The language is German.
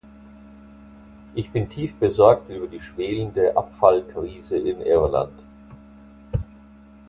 Ich bin tief besorgt über die schwelende Abfallkrise in Irland.